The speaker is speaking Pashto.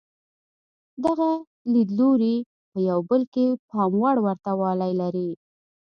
دغه لیدلوري په یو بل کې پام وړ ورته والی لري.